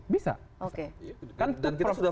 bisa dan kita sudah